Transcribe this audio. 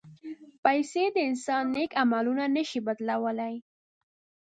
پېسې د انسان نیک عملونه نه شي بدلولی.